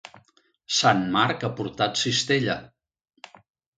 Sant Marc ha portat cistella.